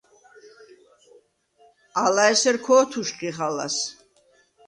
ალა ესერ ქო̄თუშხიხ ალას.